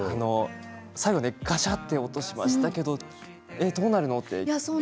最後、がしゃって音がしましたけどどうなるの？って。